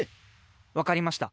わかりました。